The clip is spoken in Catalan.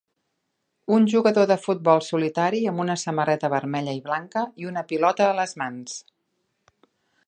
un jugador de futbol solitari amb una samarreta vermella i blanca i una pilota a les mans.